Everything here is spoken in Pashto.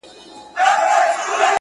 څه که حوادثو